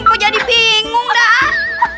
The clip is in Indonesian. kok jadi bingung dah